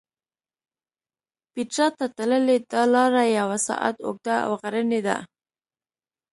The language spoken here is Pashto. پېټرا ته تللې دا لاره یو ساعت اوږده او غرنۍ ده.